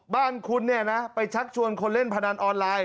บ้านคุณเนี่ยนะไปชักชวนคนเล่นพนันออนไลน์